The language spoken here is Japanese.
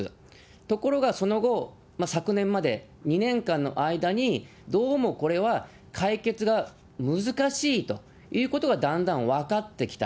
ところがその後、昨年まで２年間の間に、どうもこれは、解決が難しいということがだんだん分かってきた。